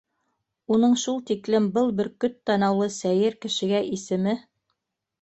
— Уның шул тиклем был бөркөт танаулы сәйер кешегә исеме